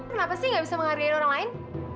kenapa sih nggak bisa menghargai orang lain